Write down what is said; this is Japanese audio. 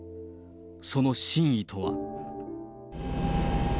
その真意とは。